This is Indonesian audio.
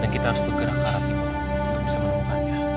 dan kita harus bergerak ke arah timur untuk bisa menemukannya